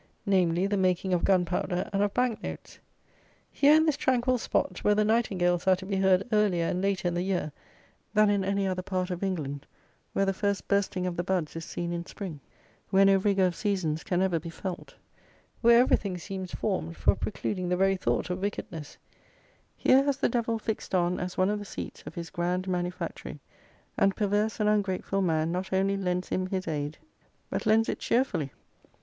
namely, the making of gunpowder and of banknotes! Here in this tranquil spot, where the nightingales are to be heard earlier and later in the year than in any other part of England; where the first bursting of the buds is seen in Spring, where no rigour of seasons can ever be felt; where everything seems formed for precluding the very thought of wickedness; here has the devil fixed on as one of the seats of his grand manufactory; and perverse and ungrateful man not only lends him his aid, but lends it cheerfully!